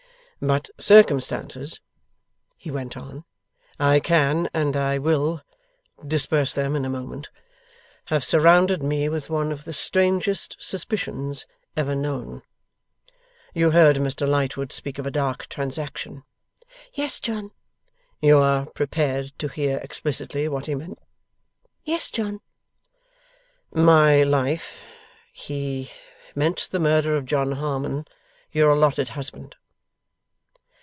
'But circumstances,' he went on ' I can, and I will, disperse them in a moment have surrounded me with one of the strangest suspicions ever known. You heard Mr Lightwood speak of a dark transaction?' 'Yes, John.' 'You are prepared to hear explicitly what he meant?' 'Yes, John.' 'My life, he meant the murder of John Harmon, your allotted husband.